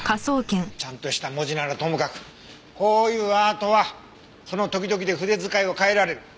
ちゃんとした文字ならともかくこういうアートはその時々で筆遣いを変えられる。